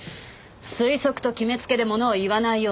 推測と決めつけで物を言わないように。